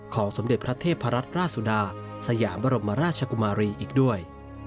สมเด็จพระเทพรัตนราชสุดาสยามบรมราชกุมารีอีกด้วย